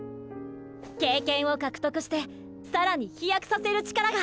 経験を獲得して更に飛躍させる力が！